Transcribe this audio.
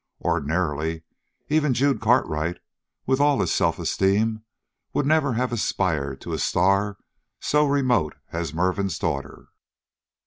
Ordinarily even Jude Cartwright, with all his self esteem, would never have aspired to a star so remote as Mervin's daughter.